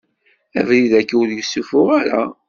Abrid agi ur yessufuɣ ara.